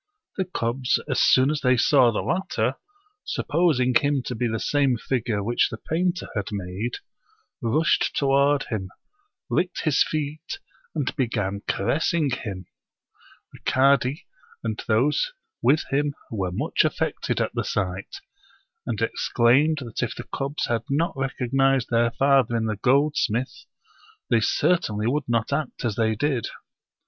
The cubs, as soon as they saw the latter, supposing him to be the same figure which the painter had made, rushed toward him, licked his feet, and began caressing hinu The cadi and those with him were much affected at the sight, and exclaimed that if the cubs had not recognized their father in the goldsmith, they certainly would not act as they did.